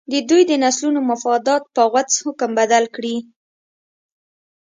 د دوی د نسلونو مفادات په غوڅ حکم بدل کړي.